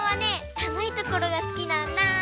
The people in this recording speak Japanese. さむいところがすきなんだ。